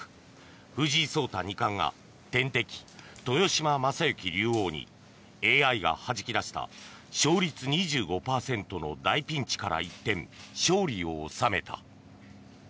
藤井聡太二冠が天敵、豊島将之竜王にＡＩがはじき出した勝率２５％の大ピンチから一転勝利を収めた。